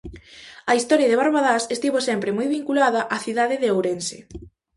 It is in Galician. A historia de Barbadás estivo sempre moi vinculada á cidade de Ourense.